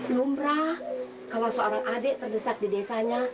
lumrah kalau seorang adik terdesak di desanya